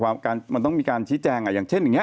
มันต้องมีการชี้แจงอย่างเช่นอย่างนี้